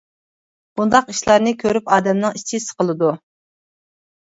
بۇنداق ئىشلارنى كۆرۈپ ئادەمنىڭ ئىچى سىقىلىدۇ.